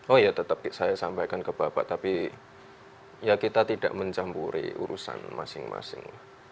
oh ya tetap saya sampaikan ke bapak tapi ya kita tidak mencampuri urusan masing masing